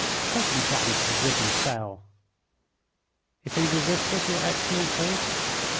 Take him down to the wooden cell." "If he resist us, your Excellency?"